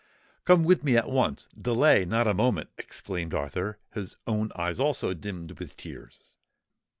"Come with me at once—delay not a moment!" exclaimed Arthur, his own eyes also dimmed with tears.